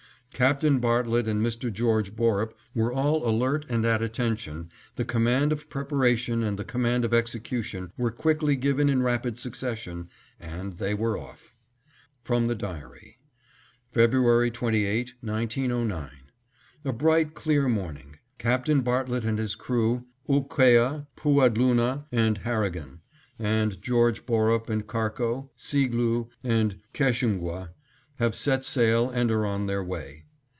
Captain Bartlett and Mr. George Borup were all alert and at attention, the command of preparation and the command of execution were quickly given in rapid succession, and they were off. From the diary. February 28, 1909: A bright, clear morning. Captain Bartlett and his crew, Ooqueah, Pooadloonah, and Harrigan; and George Borup and Karko, Seegloo, and Keshungwah, have set sail and are on their way.